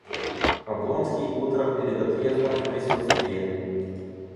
Облонский утром перед отъездом в присутствие.